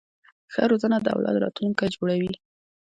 ښه روزنه د اولاد راتلونکی جوړوي.